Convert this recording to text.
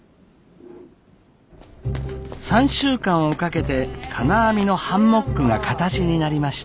３週間をかけて金網のハンモックが形になりました。